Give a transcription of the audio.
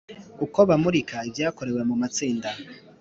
Uko bamurika ibyakorewe mu matsinda